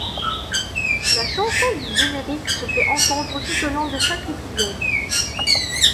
La chanson du générique se fait entendre tout au long de chaque épisode.